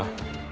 ini dia pak